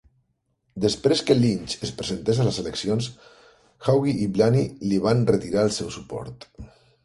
Després que Lynch es presentés a les eleccions, Haughey i Blaney li van retirar el seu suport.